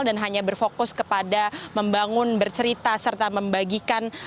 dan hanya berfokus kepada membangun bercerita serta membagikan